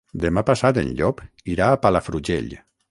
Demà passat en Llop irà a Palafrugell.